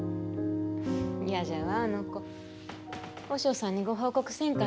嫌じゃわあの子和尚さんにご報告せんかったんかしら。